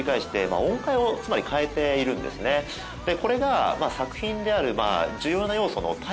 これが作品である。